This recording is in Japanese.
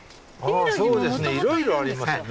あそうですねいろいろありますね。